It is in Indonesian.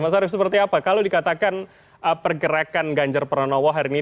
mas arief seperti apa kalau dikatakan pergerakan ganjar pranowo hari ini